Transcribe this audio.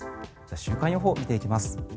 週間予報を見ていきます。